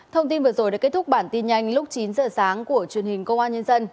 thông tin vừa rồi đã kết thúc bản tin nhanh lúc chín giờ sáng của truyền hình công an nhân dân